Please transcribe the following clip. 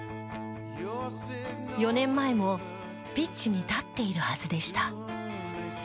４年前もピッチに立っているはずでした。